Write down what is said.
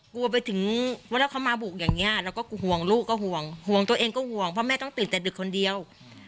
กลัวไปถึงว่าถ้าเขามาบุกอย่างนี้เราก็ห่วงลูกก็ห่วงห่วงตัวเองก็ห่วงเพราะแม่ต้องติดแต่ดึกคนเดียว